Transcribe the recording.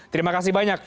terima kasih banyak